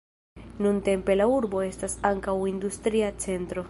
Nuntempe la urbo estas ankaŭ industria centro.